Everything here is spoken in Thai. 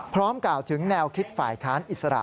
กล่าวถึงแนวคิดฝ่ายค้านอิสระ